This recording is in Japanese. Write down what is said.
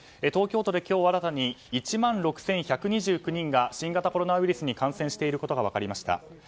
東京都で今日新たに１万６１２９人が新型コロナウイルスに感染していることが分かりました。